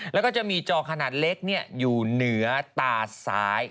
แล้วก็จะมีจอขนาดเล็กอยู่เหนือตาซ้าย